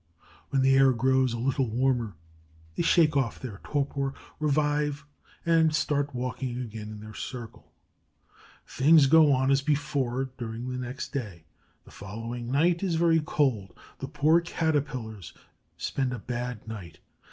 When the air grows a little warmer, they shake off their torpor, revive, and start walking again in their circle. Things go on as before during the next day. The following night is very cold. The poor Caterpillars spend a bad night.